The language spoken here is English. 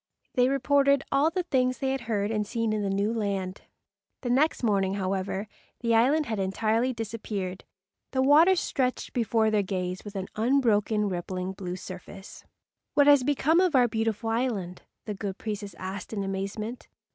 They reported all the things they had heard and seen in the new land. The next morning, however, the island had entirely disappeared. The water stretched before their gaze with an unbroken rippling blue surface. "What has become of our beautiful island," the good priests asked in amazement.